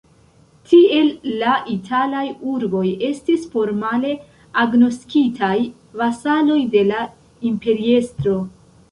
Tiel la italaj urboj estis formale agnoskitaj vasaloj de la imperiestro.